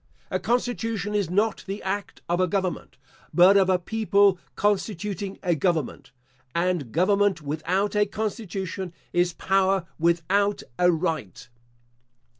A constitution is not the act of a government, but of a people constituting a government; and government without a constitution, is power without a right.